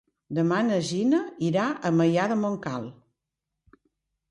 Demà na Gina irà a Maià de Montcal.